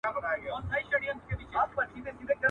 تاریخي آثار وساتئ.